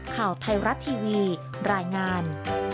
ข่าวไทยรัฐทีวีรายงาน